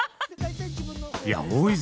いや大泉！